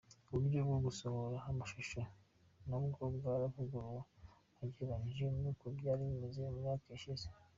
Uburyo bwo gusohora amashusho nabwo bwaravuguruwe ugereranyije nuko byari bimeze mu myaka ishize.